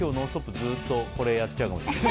ずっとこれやっちゃうかもしれない。